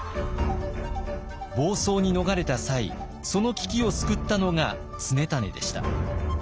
房総に逃れた際その危機を救ったのが常胤でした。